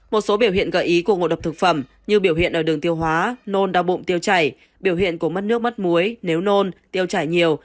một số biểu hiện gợi ý của ngộ độc thực phẩm như biểu hiện ở đường tiêu hóa nôn đau bụng tiêu chảy biểu hiện của mất nước mắt muối nếu nôn tiêu chảy nhiều